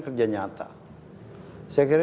kerja nyata saya kira